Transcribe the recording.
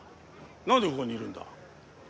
何でここにいるんだ？